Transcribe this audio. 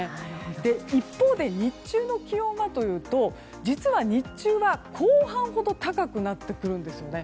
一方で日中の気温はというと実は、日中は後半ほど高くなってくるんですね。